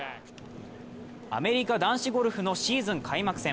アメリカ男子ゴルフのシーズン開幕戦。